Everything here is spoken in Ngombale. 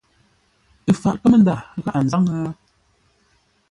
Ə faʼ kámə́nda gháʼa nzáŋə́?